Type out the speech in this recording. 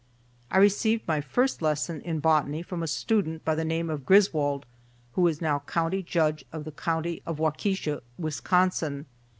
I received my first lesson in botany from a student by the name of Griswold, who is now County Judge of the County of Waukesha, Wisconsin.